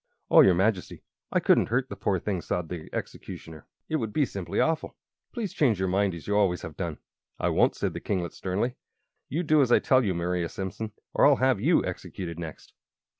"Oh, your Majesty, I couldn't hurt the poor thing!" sobbed the Executioner. "It would be simply awful! Please change your mind, as you always have done." "I won't," said the kinglet, sternly. "You do as I tell you, Maria Simpson, or I'll have you executed next!"